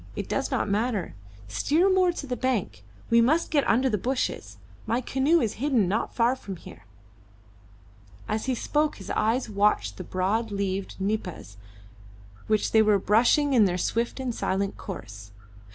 It does not matter; steer more into the bank; we must get under the bushes. My canoe is hidden not far from here." As he spoke his eyes watched the broad leaved nipas which they were brushing in their swift and silent course.